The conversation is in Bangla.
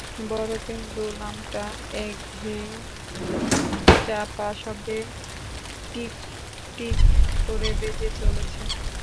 বড় পেন্ডুলামটা একঘেঁয়ে চাপা শব্দে টিকটিক করে বেজে চলেছে।